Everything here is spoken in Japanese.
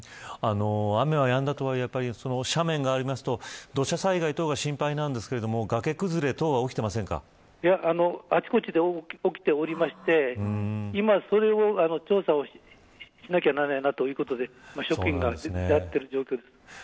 雨はやんだとはいえ斜面がありますと土砂災害等が心配になるんですけどあちこちで起きておりまして今、それの調査をしなければならないなということで職員がやっている状況です。